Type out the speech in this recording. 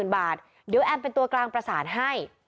บาทเดี๋ยวแอมเป็นตัวกลางประสานให้